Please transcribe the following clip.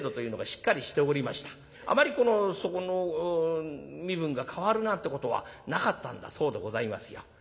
あまりそこの身分が変わるなんてことはなかったんだそうでございますよ。